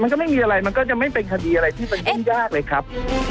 ไม่มีอะไรมันก็จะไม่เป็นคดีอะไรที่มันยุ่งยากเลยครับ